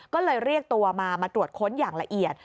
ก็เลยเรียกตัวมามาตรวจค้นอย่างละเอียด